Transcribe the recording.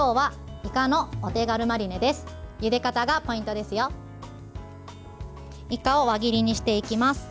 いかを輪切りにしていきます。